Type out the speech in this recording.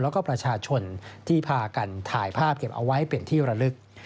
แล้วก็ประชาชนที่พากันถ่ายภาพเก็บเอาไว้เป็นที่ระลึก